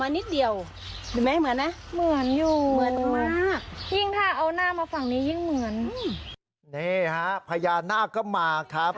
นี่ฮะพญานาคก็มาครับ